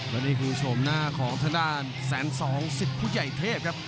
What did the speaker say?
วันนี้คือโฉมหน้าของทดาล๑๒๐ผู้ใหญ่เทพครับ